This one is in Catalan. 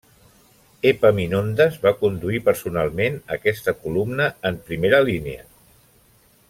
Epaminondes va conduir personalment aquesta columna en primera línia.